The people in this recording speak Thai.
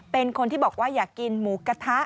เป็นคนที่บอกว่าอยากกินหมูกระทะ